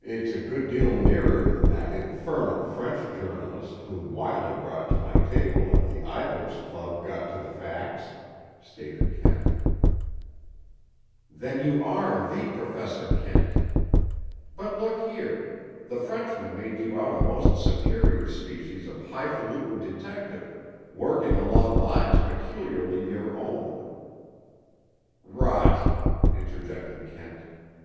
"It's a good deal nearer than that infernal French journalist whom Wiley brought to my table at the Idlers' Club got to the facts," stated Kent. "Then you are the Professor Kent! But look here! The Frenchman made you out a most superior species of highfalutin detective, working along lines peculiarly your own—" "Rot!" interjected Kent.